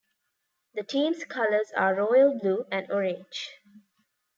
The team's colors are royal blue and orange.